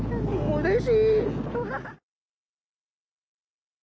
うれしい。